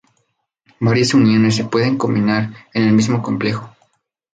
Varias uniones se pueden combinar en el mismo complejo.